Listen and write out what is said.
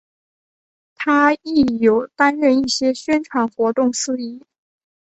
她亦有担任一些宣传活动司仪。